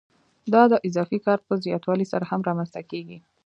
دا د اضافي کار په زیاتوالي سره هم رامنځته کېږي